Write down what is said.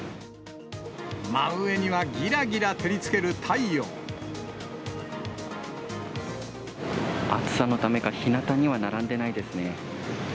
真上にはぎらぎら照りつける暑さのためか、ひなたには並んでないですね。